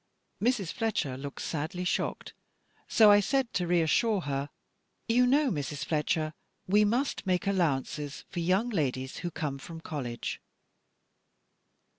Mrs. Fletcher looked sadly shocked; so I said, to reassure her: "You know, Mrs. Fletcher, we must make allowances for young ladies who come from college."